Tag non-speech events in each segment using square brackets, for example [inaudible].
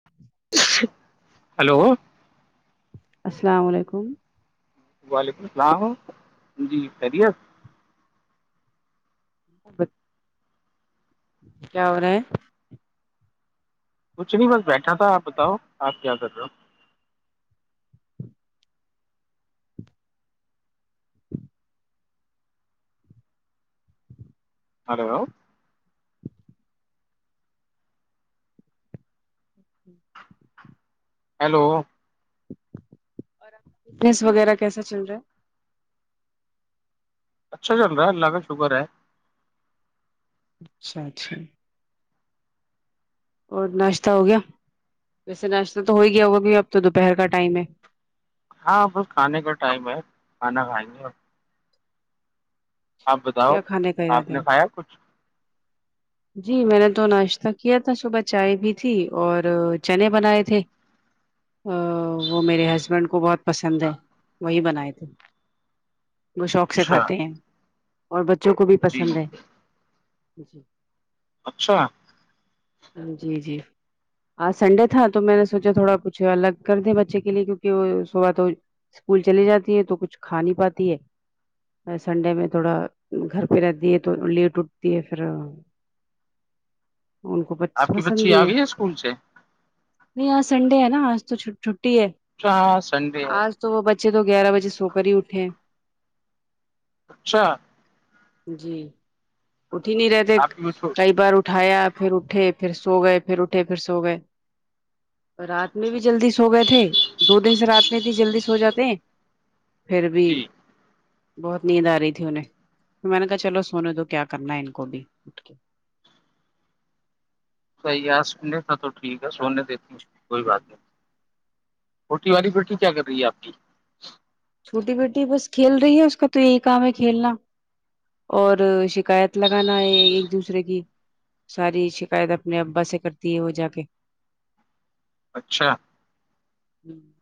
ج [inaudible] ہلو السلام علیکم وعلیکم السلام جی خیریت کیا ہو رہا ہیں کچھ نہیں بس بیٹھا تھا آپ بتاؤ آپ کیا کر رہے ہو ہلو ہیلو فٹنس وغیرہ کیسا چل رہا ہے اچھا چل رہا ہے اللہ کا شکر ہے اچھا اچھا اور ناشتہ ہو گیا ویسے ناشتہ تو ہو ہی گیا ہوگا کی اب تو دوپہر کا ٹائم ہے ہاں بس کھانے کا ٹائم ہے کھانا کھائیں گے آپ بتاؤ کیا کھانے کا آپ ارادہ ہے نے کھایا کچھ جی میں نے تو ناشتہ کیا تھا صبح چائے بھی تھی اور چنے بنائے تھے [unintelligible] ا وہ میرے ہسبینڈ کو بہت پسند ہے وہی بنائے تھے وہ شوق سے اچھا کھاتے ہیں اور بچوں کو بھی جی پسند ہے جی اچھا جی جی ہ سنڈے تھا تو میں نے سوچا تھوڑا پچھ الگ کر دے بچے کے لیے کیونکہ وہ سوا تو اسکول چلی جاتی ہے تو کچھ کھا نہیں پاتی ہے سنڈے میں تھوڑا گھر پہ رہتی ہے تو لی ٹوٹتی ہے پھر ان کو ب آپ کی پسند بچی بھی آ ہے گئی اسکول سے نہیں آج سنڈے ہے نا آج تو چھٹی ہے ا ہاںاں سنڈے ہے آج تو وہ بچے تو گیارہ بجے سو کر ہی اٹھے اچھا جی اٹھی نہیں رہتے آپ کی وہ کئی بار ا اٹھایا پھر اٹھے پھر سو گئے پھر اٹھے پھر سو گئے رات میں بھی جلدی سو گئے تھے دو دن سے رات میں تھی جلدی سو جے ہیں پھر بھی جی بہت نیند آ رہی تھی انہیں توھر میں نے کہا چلو سونے تو کیا کرنا ہے ان کو بھی اٹھ کے صحیح آج سنے تھا تو ٹھیک ہے سونے دیتی ہ کوئی بات نہیں روٹی والی جی رٹی کیا کر رہی ہے آپ کی چھوٹی بیٹی بس کھیل رہی ہے اس کا تو یہی کام ہے کھیلنا اور شکایت لگانا ہے ایک دوسرے کی ساری شکایت اپنے ابا سے کرتی ہے وہ جا کے اچھا ہی [inaudible]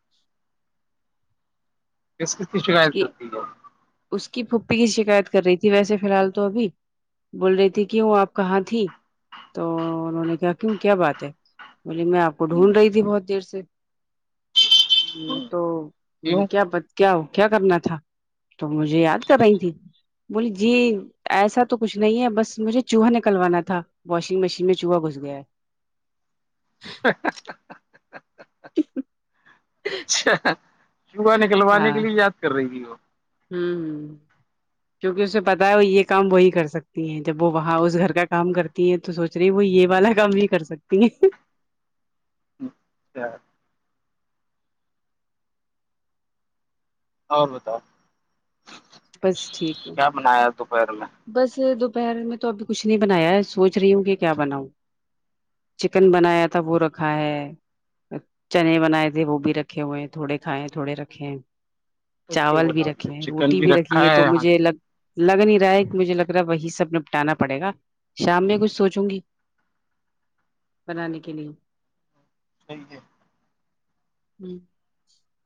کس کس کی شکایت کرتی ہے اس کی پھوپھی کی شکایت کر رہی تھی ویسے فی الحال تو ابھی بول رہی تھی کیوں آپ کہاں تھی تو انہوں نے کہا کیوں کیا بات ہے بوولے میں آپ کو ڈھونڈ رہی تھی بہت دیر سے تو بولے کیوں کیا کیا کیا کرنا تھا تو مجھے یاد کر رہی تھی بولی جی ایسا تو کچھ نہیں ہے بس مجھے چوہا نکلوانا تھا واشنگ مشین میں چوہا گھس گیا ہے اچھا چوہا نکلوانے کے ہاں لیے یاد کر رہی تھی وہ ہوں ہ کیونکہ اسے پتا ہے وہ یہ کام وہی کر سکتی ہیں جب وہ وہاں اس گھر کا کام کرتی ہیں تو سوچ رہی وہ یہ والا کام بھی کر سکتی ہیں س [unintelligible] اور بتا بس ٹھیک ہے کیا بنایا دوپہر میں بس دوپہر میں تو ابھی کچھ نہیں بنایا ہے سوچ رہی ہوں کہ کیا بناؤں چکن بنایا تھا وہ رکھا ہے چنے بنائے تھے وہ بھی رکھے ہوئے ہیں تھوڑے کھائے تھوڑے رکھے ہیں تو کیوں چاول بھی بناؤ گی رکھے جب ہیں چکن روٹی بھی رکھی رکھا ہے تو ہاں مجھے لگ لگ نہیں رہا ہے مجھے لگ رہا ہے وہی سب نپٹانا پڑے گا شام میں کچھ سوچوں گی بنانے کے لیے ھینکیو ہ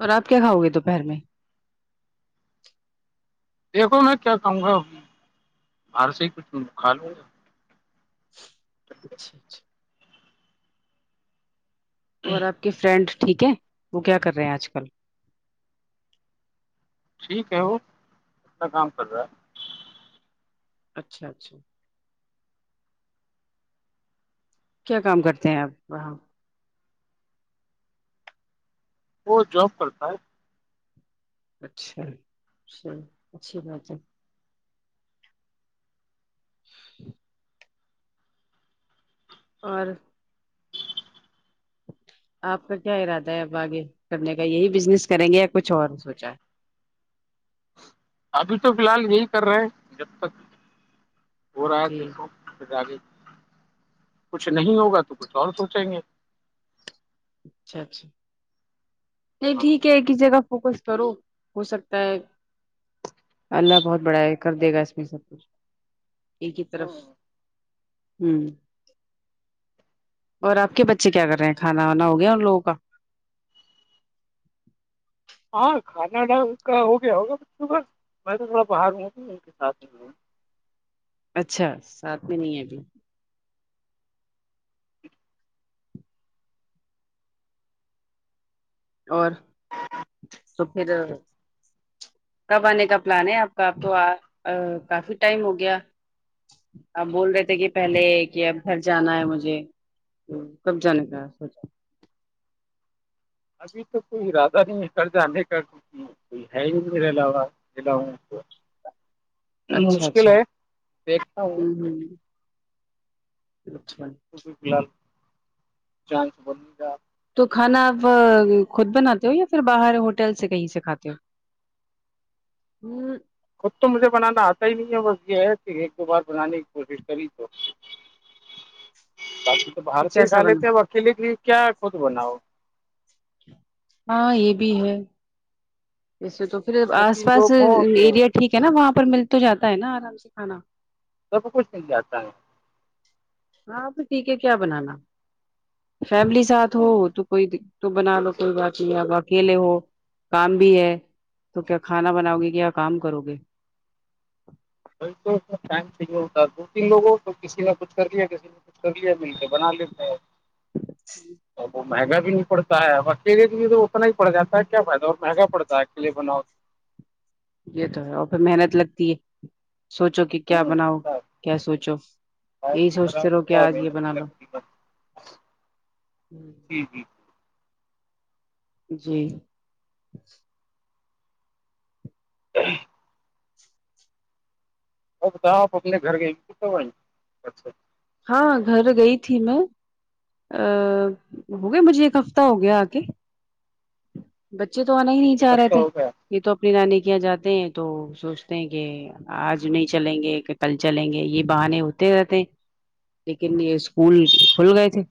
اور آپ کیا کھاؤ گے دوپہر میں دیکھو میں کیا کہوں گا باہر سے ہی کچھ مکھالو اچھا اچھا اور آپ کے فرینڈ ٹھیک ہے وہ کیا کر رہے ہیں آج کل ٹھیک ہے وہ کتنا کام کر رہا ہے اچھا اچھا کیا کام کرتے ہیں اپ وہ وہ جاب کرتا ہے اچھای اچھی بات ہے اور آپ کا کیا ارادہ ہے اب آگے کرنے کا یہی بزنس کریں گے یا کچھ اور سوچا ابھی تو فی الحال یہی کر رہے ہیں جب تک ہو رہا تھا جی سق پھر آگے کچھ نہیں ہوگا تو کچھ اور سوچیں گے اچھا اچھا نہیں ہاں ٹھیک ہے ایک ہی جگہ فوکس کرو ہو سکتا ہے اللہ بہت بڑا کر دے گا اس میں سب کچھ ایک ہی طرف ہوں اور آپ کے بچے کیا کر رہے ہیں کھانا وانا ہو گیا اور ان لوگوں کا ہاں کھانا ڈا کا ہو گیا ہوگا ب میں تو تھوڑا باہر ہ ان کے ساتھ ہیوں اچھا ساتھ میں نہیں ہے ابھی اور تو پھر کب آنے کا پلان ہے آپ کا اب تو کافی ٹائم ہو گیا اب بول رہے تھے کہ پہلے کہ اب گھر جانا ہے مجھے کب جانے کا سوچا ابھی تو کوئی ارادہ نہیں نکل جانے کا کو ہے ہی میرے علاوہلا کو اچھا مشکل اچھا ہے دیکھتا ہوں ہوں لکمن توہ فی الحال چانس بولے گاپ تو کھانا آپ خود بناتے ہو یا پھر باہر ہوٹل سے کہیں سے کھاتے ہو ہوں خود تو مجھے بنانا آتا ہی نہیں ہے بس یہ ہے کہ ایک دو بار بنانے کی کوشش کری تو باقی تو باہر سے ہی کھا کیسا بنا لیتے ہیںب اکیلے کی کیا خود بناؤ ہاں یہ بھی ہے ویسے تو پھر دو آس تین پاس لوگ ہوں تو ایریا ٹھیک ہے نا وہاں پر مل تو جاتا ہے نا ارام سے کھانا تو تو کچھ نہیں جاتتااہ ہے ہاں تو ٹھیک ہے کیا بنانا فیملی ساتھ ہو تو کوئی تو بنا لو کوئی بات نہیں اب اکیلے ہو کام بھی ہے تو کیا کھانا بناؤ گے کیایا کام کرو گے ب تو ا ٹائم صاہیے ہوتا دو تین لوگوں تو کسی نے کچھ کر لیا کسی نے سبے ملتے بنا لیتے ہیں جی تو وہ مہنگا بھی نہیں پڑتا ہے اکیے کے لیے تو اتنا ہی پڑ جاتا ہے کیا فائدہ اور مہنگا پڑتا ہے اکیلے بناؤ یہ تو ہے اور پھر محنت لگتی ہے سوچو کہ کیا ہوں بناؤ صاحب، کیا سوچو ٹائم یہی بھی سوچتے خراب رہو کیا ہوتا ہے آ جے محنت بنا بھی لو لگتی ہے ہ جی جی جی ا اور بتاؤ آپ اپنے گھر گئے تو آیں اچھا ہاں گھر گئی تھی میں ا ہو گیا مجھے ایک ہفتہ ہو گیا آ کے بچے تو آنا ہی نہیں چاہ کب رہے کا تھے ہو گیا یہ تو اپنی نانی کے یہاں جاتے ہیں تو سوچتے ہیں کہ آج نہیں چلیں گے کہ کل چلیں گے یہ بہان ہوتے رہتے لیکن یہ اسکول کھل گئے تھے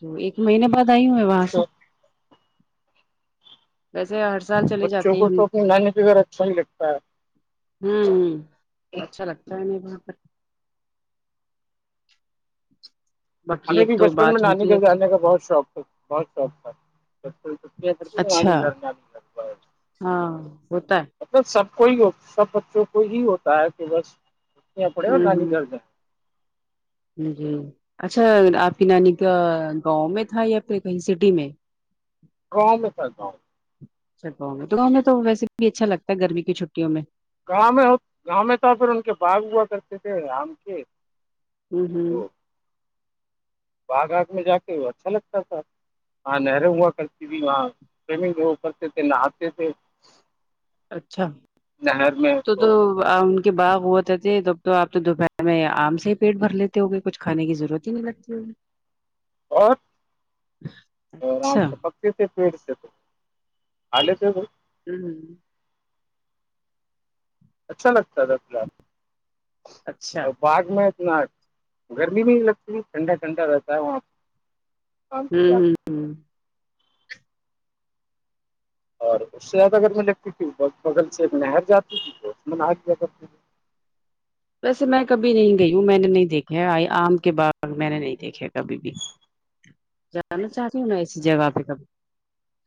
تو ایک مہینے بعد آئی ہوں میں باس اچھا ویسے ہر سال چلے بچوں جاتے ہیں کو ہم تو اپنی نانی کے گھر اچھا ہی لگتا ہے ہوں ہ اچھا لگتا ہے ہمیں وہاں پر باقی ہمیں اب بھی تو بچپن میں بات نانی ہوتی گھر رہتی جانے کا بہت شوق تھا بہت شوق تھا س کوئی تو کیا کرتے تو آ، اچھا گھر نہ بھی لگتا ہے ہاں ہوتا ہے مطلب سب کو ہی سب بچوں کو ہی ہوتا ہے کہ بس یہ پڑے ہے اور ہوں نانی گھر ہوں جائیں جی اچھا آپ کی نانی کا گاؤں میں تھا یا پھر کہیں سٹی میں گاؤں میں تھا گاؤں گاؤں میں تو ویسے بھی اچھا لگتا ہے گرمی کی چھٹیوں میں گاؤں میں گاؤں میں تھا پھر ان کے باغ ہوا کرتے تھے آم کے ہوں ہوں باگ آگ میں جا کے وہ اچھا لگتا تھا ہاں نہریں ہوا کرتی تھی وہاں منگ کرتے تھے نہاتے تھے اچھا نہر میں تو تو ان کے باغ ہو ہوتے تھے تب تو آپ تو دوپہر میں آم سے ہی پیٹ بھر لیتے ہو گے کچھ کھانے کی ضرورت ہی نہیں لگتی [unintelligible] پیڑ اچھا پالے تھے تو ہمم اچھا لگتا تھا اچھا باغ میں ات گرمی بھی لگتی ٹھنڈا ٹھنڈا رہتا ہے وہاں کی بات ہوں [unintelligible] ہ ہ اور اس سے زیادہ اگر میں لگتی تھی بغل سے میں نہر جاتی تھی تو اس میں نہ کیایا کرتی ویسے میں کبھی نہیں گئی ہوں میں نے نہیں دیکھا آئی آم کے باغ میں نے نہیں دیکھے کبھی بھی جانا چاہتی ہوں میں ایسی جگہ پہ کبھی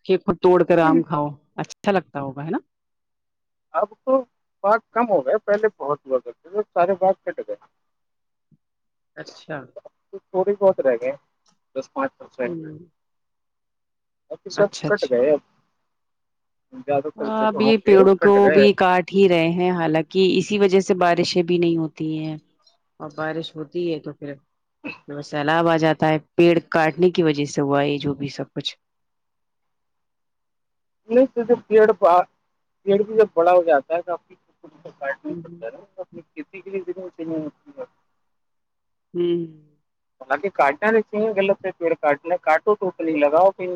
ک کو توڑ کر آم کھاؤ اچھا لگتا ہوگا ہے نا اب تو باغ کم ہو گئے پہلے بہت لگ تھے سارے باغ کٹ گئے اچھا [inaudible] تھوڑی بہت رہ گئے دس پانچ پرسینٹ ہ ا پ سب اچھا کٹ اچھا گئےیادہ کرک ہاں، اب وہاں یہ پہ پیڑوں کو کٹ گئے بھی کاٹ ہی اور بارش ہوتی ہے تو پھر سیلاب آ جاتا ہے پیڑ کاٹنے کی وجہ سے ہوا یہ جو بھی سب کچھ نہیں پیڑ پیڑ پ جب بڑا ہو جاتا ہے ہوں ہ کتی کے لیے د میں [unintelligible] ہوں حالانکہ کاٹنا نہیں چاہیے غلط سے پیڑ کاٹنا کاٹو ٹوٹنی لگاؤ پھر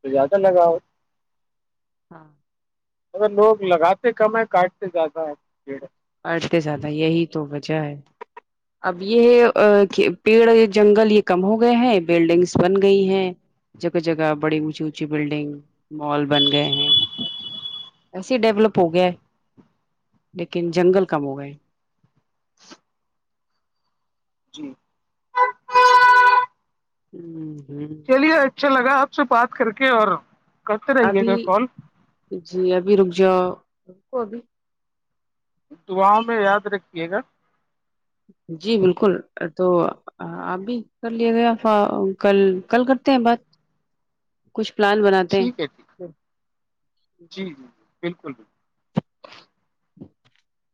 تو زیادہ لگاؤ ہاں اگر لوگ لگاتے کم ہے کاٹتے زیادہ ہے پیڑ اھتے زدہ یہی تو وجہ ہے اب یہ پیڑ جنگل یہ کم ہو گئے ہیں بلڈنگس بن گئی ہیں جگہ جگہ بڑی اونچی اونچی بلڈنگ مال بن گئے ہیں ایسے ڈیولپ ہو گیا ہے یکن جنگل کم ہو گئے جی ہ ہ چلیے اچھا لگا آپ سے بات کر کے اور کرتے رہیے ابھی گا کال جی ابھی رک جاؤ وہ ابھی دعاؤں میں یاد رکھیے گا جی بالکل تو آپ بھی کر لیا گیا کل کل کرتے ہیں بات کچھ پلان بناتے ٹھیک ہے ٹھیک ہے جی جی جی بالکل بالل [unintelligible]